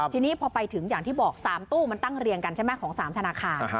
ทีนี้พอไปถึงอย่างที่บอก๓ตู้มันตั้งเรียงกันใช่ไหมของ๓ธนาคาร